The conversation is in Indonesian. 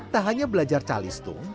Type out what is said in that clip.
tak hanya belajar calistung